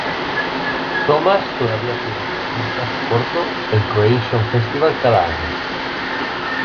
Thomas todavía predica un mensaje corto en Creation Festival cada año.